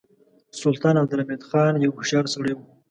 سلطان عبدالحمید خان یو هوښیار سړی و.